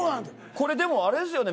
これでもあれですよね